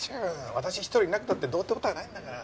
私１人いなくたってどうって事はないんだから。